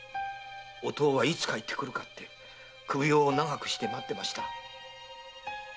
“お父はいつ帰ってくるか”と首を長くして待ってました。